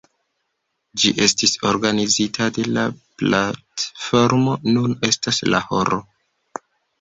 Ĝi estis organizita de la platformo Nun estas la horo.